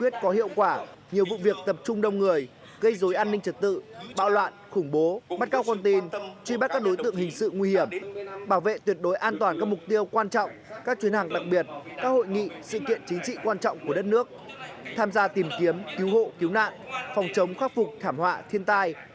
tham gia tìm kiếm cứu hộ cứu nạn phòng chống khắc phục thảm họa thiên tai